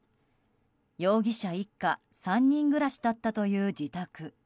容疑者一家３人暮らしだったという自宅。